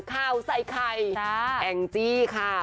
ข่าวใส่ไข่แองจี้ค่ะ